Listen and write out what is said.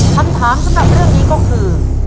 คำถามสำหรับเรื่องนี้ก็คือ